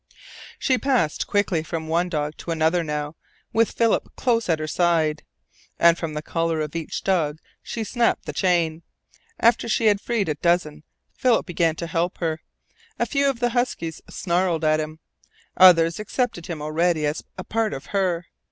She passed quickly from one dog to another now, with Philip close at her side, and from the collar of each dog she snapped the chain. After she had freed a dozen, Philip began to help her. A few of the huskies snarled at him. Others accepted him already as a part of her.